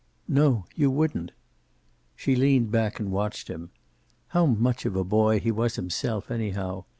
"No. You wouldn't." She leaned back and watched him. How much of a boy he was himself, anyhow!